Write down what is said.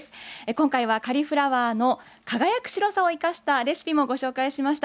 今回はカリフラワーの輝く白さを生かしたレシピもご紹介しました。